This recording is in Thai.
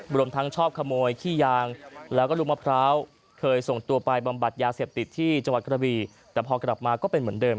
รวมทั้งชอบขโมยขี้ยางแล้วก็ลูกมะพร้าวเคยส่งตัวไปบำบัดยาเสพติดที่จังหวัดกระบีแต่พอกลับมาก็เป็นเหมือนเดิม